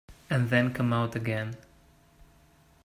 And then come out again.